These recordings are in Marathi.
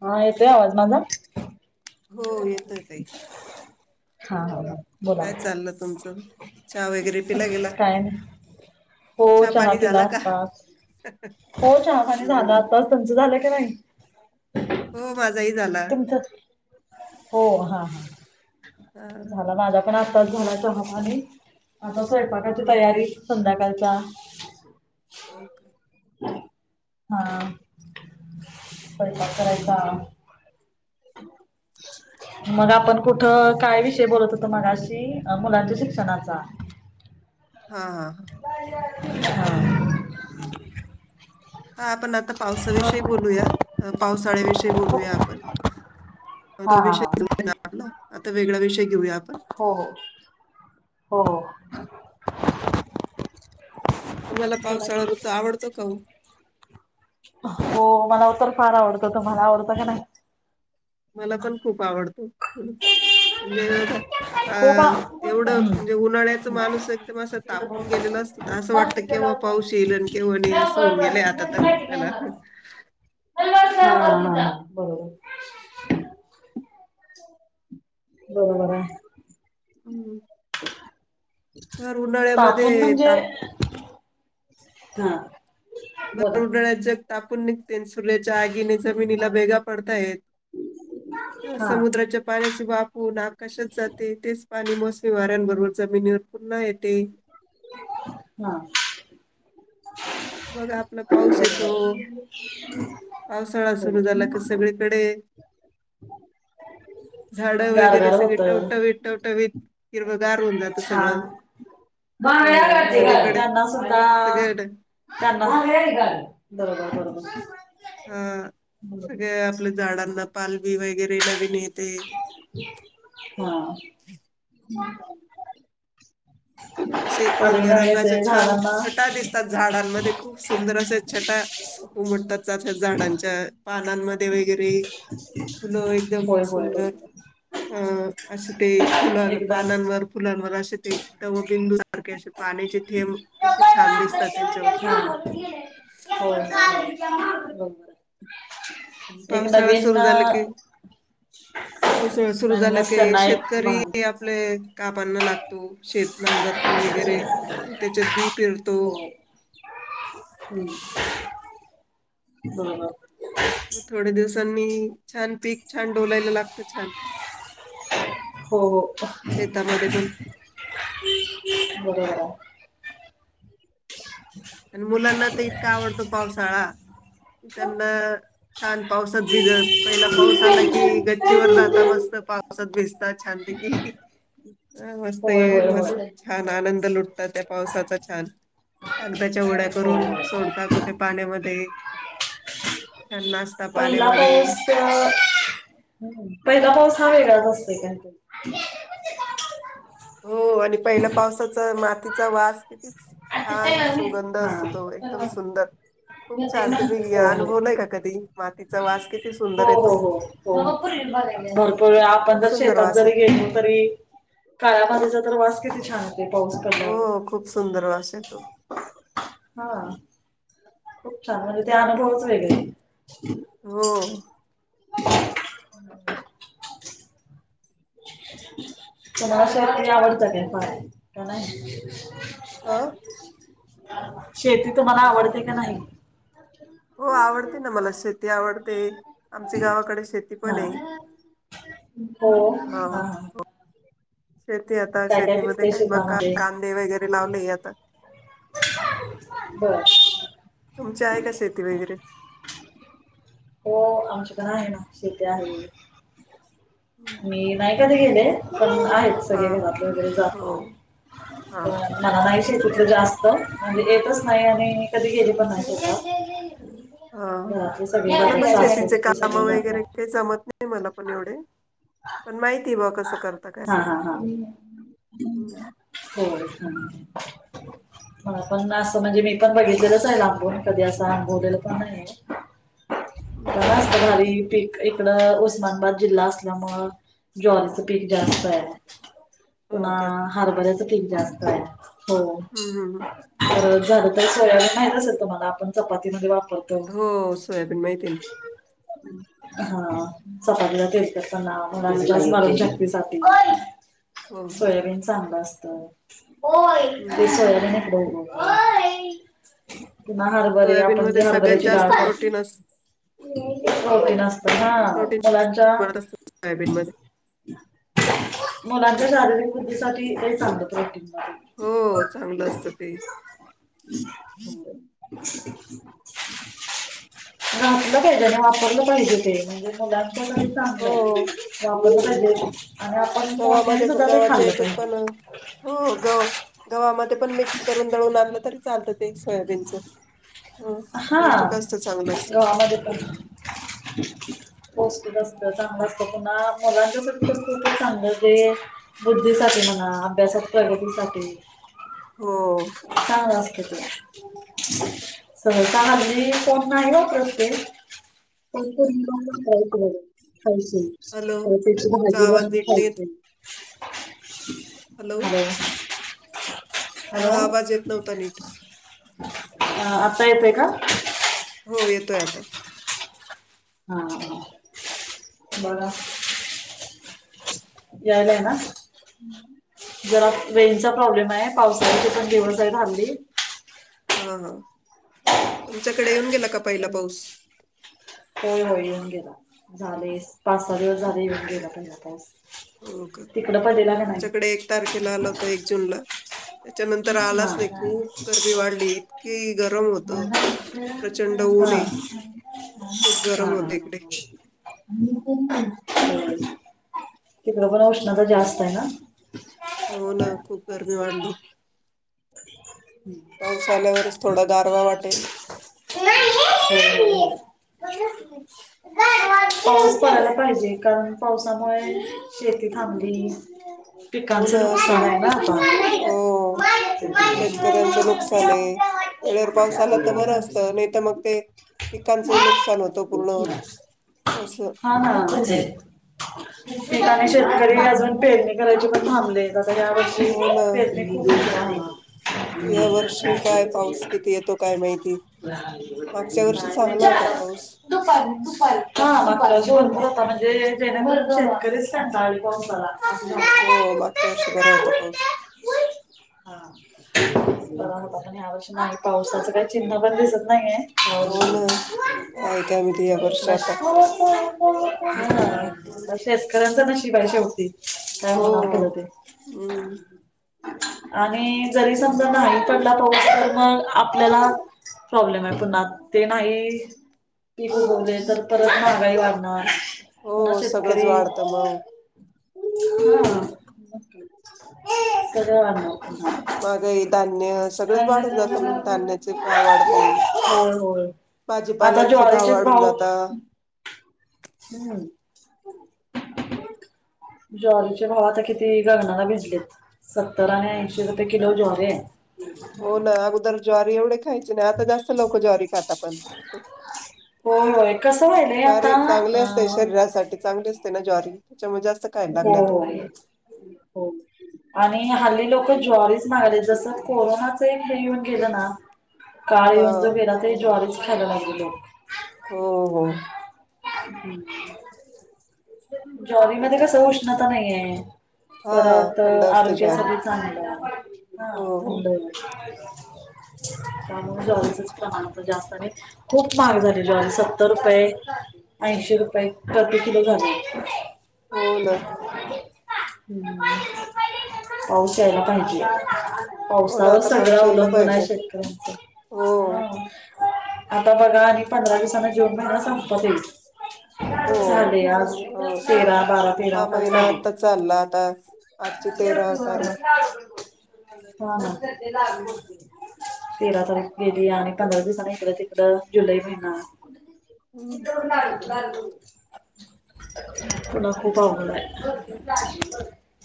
हा येतय आवाज माझा हो येतोय ताई. हा हा. बोला काय चाललं तुमचं. चहा वगैरे पिला गेला. काय नाही हो चहा. पाणी पिला झाला का? आत्ताच. हो चहा पाणी झालं हम्म आताच. तुमचं झालं की नाही. हो माझं तुमचं हो. हा. हा झाला. माझा पण आत्ताच झाल चहा पाणी आता स्वयंपाकाची हम्म तयारी संध्याकाळची. [unintelligible] ओ काे [unintelligible] हा. स्वयंपाक करायचा. [inaudible] मग आपण कुठं काय विषय बोलत होतो मगाशी. मुलांच्या शिक्षणाचा. [inaudible] हा. हा. हा. हा. हा आपण आता पावसाविषयी बोलूया. पावसाळ्याविषयी बोलूया आपण. अ, हा. तो विषय हा. आपला आता वेगळा विषय घेऊया आपण. हो हो. हो. तुम्हाला बोला की. पावसाळ्या ऋतू आवडतो का ओ? हो मला तर फार आवडतो. तुम्हाला आवडतं का नाही? मला पण खूप आवडतो. म्हणजे बघा. अ खूप आ एवढं हम्म. म्हणजे उन्हाळ्याच माणूस एकदम असं तिथं तापून बस. गेलेला असतोय. तर असं बस वाटतं की तिथं बाबा. लवकर. पाऊस येईल आणि केव्हा नाहीं असं लवकर होऊन गेलं बस. आता नाही तर माहिती आपल्याला. घेणार नाही. हा. हा. बरोबर. बरोबर हाय. हम्म भर तापून उन्हाळ्यामध्ये म्हणजे? ताप हा. बोला भर उडळ्यात जे तापून नघत. तेनसुल्याच्या आगीने जमिनीला भेगा पडतायत. तेव्हा हा समुद्राच्या पाण्याचे वाफ होऊन. आकाशात जाते तेच पाणी मोस मोसमी वाऱ्यांबरोबर जमिनीवर पुन्हा येते. हा. मग आपला पाऊस येतो. पावसाळा हो सुरु झाला की सगळीकडे झाडं वगैरे गारगार सगळे होत टावटवीत टवटवीत ही छान [inaudible] हो सगळीकडे त्यांना सुद्धा सगळ्याकडे त्यांना बरोबर बरोबर. हा सगळ्या आपल्या झाडांना पालवी वगैरे. वगैरे नवीन येते. हम् [unintelligible] असे हिरव्या रंगाच्या छान झाडांना छटा दिसतात. झाडांमध्ये खूप सुंदर असे. छटा उमटतात झाडांच्या पानांमध्ये वगैरे फल एकदम होय होय सुंदर. बरोबर अ असे ते फुल. एकदम पानांवर फुलांवर असे ते दव. बिंदू सारखे. असे पाण्याचे थेंब कसे छान दिसतात. हो त्यांच्यावर [unintelligible] रोबर आणि एक पावसाळा नवीन. हो सुरु नवीन झालं की असताना एक भान शेतकरी आपले कापांना लागत. शेत नांगरतो वगैरे त्याच्यात बी पेरतो, हो [unintelligible] बरोबर मग थोडे्या दिवसां म छान पीक छान डोलायला लागतं. छान, हो शेतामध्ये पण [unintelligible] बरोबर आणि मुलांना तर इतका आवडतो पावसाळा त्यांना, छान पावसात भिजत पहिला पाऊस आला की गच्चीवर जाता मस्त पावसात भिजतात छान प, [inaudible] अ मस्त होय ये होय होय मस्त होय छान आनंद लुटतात त्या पावसाचा छान, कागदाच्या ओड्या करून होय सोडता कुठे पाण्यामध्ये, छान नाचता पहिला पाण्यामध्ये पाऊस पहिला पाऊस, आनंदीवेगळा च असते, हो आणि पहिल्या पावसाचा मातीचा वास किती, छान काहीतरी सुगंध हा असतो तो एकदम सुंदर, खूप छान तुम्ही घ हो हो अनुभवलाय का कधी, मातीचा वास किती हो सुंदर हो येतो हो हो भपूरपूर, आपण खूप जर सुंदर शेतात वास जरी येतो गेलो तरी काळ्यामध्येधीचा तर वास किती छान पाऊस कण्यावर हो खूप सुंदर वास येतो हा, खूप छान म्हणजे ते अनुभवच वेगळे, हो [unintelligible] तणाला असती आवडत का फय प नाही, आह शेती तु मला आवडते का नाही! हो आवडते ना मला शेती आवडते. आमची गावाकडे शेती पण आहे हा हा, शेती आता काय शेतीमध्ये पिकतंय काय मका शेतामध्ये कांदे वगैरे लावले आता, [unintelligible] बर तुमची आहे का शेती वगैरे, हो आमच्याकण आहे ना शेती आहे. हम्म. मी नाही कधी गेले, पण आहेत हा सगळे घरात वगैरे जात हो हा नाही शती जास्त येतच नाही आणि कधी गेली पण नाही. हा घरातले सगळे मला जातात पण सासू शेतीचे ते काम सगळे जातात वगैरे काही जमत नाही मला पण एवढे. पण माहिती बघ कसं, करता काय हा हा सगळं हा हम्म. हो ह [inaudible] ह पण असं म्हणजे मी पण बघितलेलंच आहे लांबूनून कधी असं अनुभवलेलं पण नाही. हम्म. [unintelligible] इकड उस्मानाबाद जिल्हा असलम ज्वरी च पीक जास्त आहे. हो पुन्हा का हार्बरच पीक जास्त आहे हो हम्म, हम्म, हम्म. तर, झालं तररी सोयाला माहित असेल तुमला आपण चपातीमध्ये वा, हो सोय पण माहिती आहे ना, हा चपाती चा तेलकट पणा, हो हो सोयाबीन चांगलं असत. ते सोयाबीन हेकड उगवता, ना हरभरी सोयाबीन आपण जे मध्ये सगळ्यात हरभऱ्याची डाळ जास्त कर, प्रोटीन असत होती नसत ह प्रोटीन मुलांच्या बनत असतं सोयाबीन मध्ये मुलांच्या शारीरिक बुद्धीसाठीठी काही सांगत राटतील हो चांगलं असतं ते घातलं पाहिजे आणि वापरलं पाहिजे ते म्हणजे मुलां पण हो चांगलंय वापरलं पाहिजे आणि आपण मोठ्याने गव्हामध्ये सुद्धा ते गव्हाच्या खाल्लं याच्यात पाहिजे. पण हो गव गववा्हामध्ये पण मिक्स करून दळून आणलं तरी चालतं ते सोयाबीनच हा गवामध्ये पण पोस्टसत चांगलं पुन्हा मुलां सांगलं ज बुद्धीसाठी म्हणा अभ्यासात प्रगती कते हो हा सहसा रात्री कोण नाही वापरत ते खायच हॅलो तर त्याची तुमचा भाजी आवाज बघत नीट नाही येत खायते हॅलो हॅलो हा आवाज येत नव्हता नीट अ आत्ता येतोय का हो येतोय आता हा बघा यायलाय ना जरा वेचा प्रॉब्लेम आहे पावसाची पण दिवस आहे हल्ली हा हा तुमच्याकडे येऊन गेला का पहिला पाऊस होय होय येऊन गेला झाले पाच सहा दिवस झाले येऊन गेला पाऊस हो का तिकडं पडलेला का नाही आमच्याकडे एक तारखेला आला होता एक जूनला त्याच्यानंतर हा आलाच नाही हा खूप गरमी वाढली इतकी गरम होत प्रचंड हा ऊन आहे खूप हा गरम होत ह इकडे तिकडे पण उष्णता जास्त आहे ना हो ना खूप गर्मी वाढली पाऊस आल्यावरच थोडा गारवा वाटेल पाऊस पडयला पाहिजे कारण पावसामुळे शेती थांबली हो पिकांचं ना नुकसान सगळं आहे ना आता हो शेतकऱ्यांचं नुकसान आहे वेळेवर पाऊस आला तर बरं असतं नाही तर मग ते पिकांचंही नुकसान होतं पूर्ण असं हा म्हणजे ठिकाने शेतकरी अजून पेरणी करायची पण थांबले या वर्षी हो ना. पेरले या वर्षी काय पाऊस किती येतो काय माहिती मागच्या वर्षी चांगला होता पाऊस. दुपारी दु हकाला जेवनपर होता म्ह जे जेणेकरून शेतकरीच कंटाळेल पावसाला असं झालं. हो मागच्या वर्षी बरा होता पाऊस ण या्या वर्षी नाही पावसाचं काही चिन्ह पण दिसत नाहीये हो ना. काय काय माहिती या नत वर्षी आता नशसा हा शेतकऱ्यांच नशिब आहे शेवटी काय हो होणार पुढं ते हम्म आणि जरी समजा नाही पडला पा तर मग आपल्याला प्रॉब्लेम आहे पु्हा ते नाही पी उगवले तर परत महागाई वाढणार पुणा हो सगळंच शेतकरी वाढतं मग [unintelligible] ह [unintelligible] महागाई धान्य सगळंच वाढून जातं मग धान्याचे पुन्हा भाव वाढतील. होय, होय आता भाजीपाल्यांचे भाव ज्वारीचेच वाढून भाऊ जाता हम्म [unintelligible] ज्वारीचे भाव आता किती गगनाला भिडलेत. सत्तर आणि ऐंशी रुपये किलो ज्वारी आहे. हो ना अगोदर ज्वारी [unintelligible] खायचं नाही आता जास्त लोक ज्वारी खाता पण. होय होय कसं व्हायलय आता ज्वारी चांगले अ असते शरीरासाठी, चांगले असते ना ज्वारी? त्याच्यामुळे जास्त खायला हो लागल्यात [unintelligible] आणि हल्ली लोक ज्वारीच महागले जसं कोरोनाच हे येऊन गेलं ना काळ हा येऊन जो गेला ते ज्वारीच खायला लागले लोक [unintelligible] होहोहो [unintelligible] ज्वारी मध्ये कसं उष्णता नाहीये. हा परत थंड असते ज्वारी आरोग्यासाठी चांगलं, हा हो हो थंड [unintelligible] त्यामुळे ज्वारीचच प्रमाण आता जास्त खूप महाग झाले ज्वारी सत्तर रुपये ऐंशीे रुपये प्रति किलो झाली. हो ना. हं, पाऊस यायला पाहिजे. हो ना पावसावर आता सगळं पाऊस यायला अवलंबून आहे पाहिजे शेतकऱ्यांचा, हो हं आता बघा आणि पंधरा दिवसांना जून महिना संपत येईल. हो हो हा महिना आता चालला [unintelligible] आता आजची [unintelligible] तेरा तारीख तेरा तारीख गेली आणि पंधरा दिवसांनी इकडे तिकडे जुलै महिना [unintelligible] हम्म. पुन्हा खूप अवघड जाईल.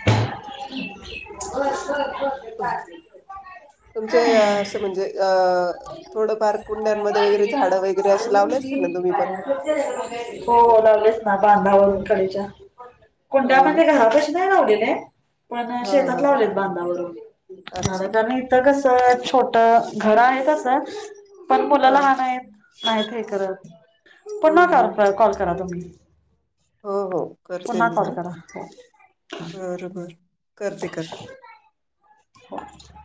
[unintelligible] तुमचं हे असं म्हणजे अ थोडेफार कुंड्यांमध्ये वगैरे झाडे वगैरे लावलेत. [unintelligible] हो लावलेत ना. बांधावरून कलेच्या कोणत्या हो ना म्हणजे [unintelligible] [unintelligible] हा शेतात हा लावले अच्छा बांधावरून [unintelligible] कसं छोटं घर आहे तसं पण हा मुलाला लहान आहेत आहेत हे करत हम्म हम्म [unintelligible] कॉल करा तुम्ही. हो हो करते पुन्हा कॉल करा. बरबर करते करते. हो [unintelligible]